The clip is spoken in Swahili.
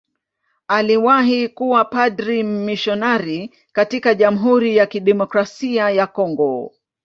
Aliwahi kuwa padri mmisionari katika Jamhuri ya Kidemokrasia ya Kongo.